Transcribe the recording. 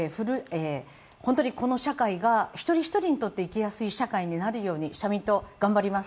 本当にこの社会が一人一人にとって生きやすい社会になるように社民党頑張ります。